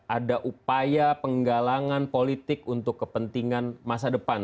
ada upaya penggalangan politik untuk kepentingan masa depan